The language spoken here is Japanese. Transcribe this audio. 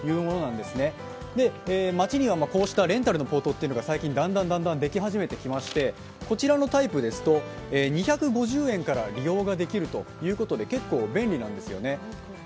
で、町にはこうしたレンタルのポートというのがだんだんできはじめてましてこちらのタイプですと２５０円から利用ができるということで結構、便利なんですよね。